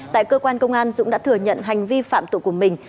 tại cơ quan công an dũng đã thừa nhận hành vi phạm tội của mình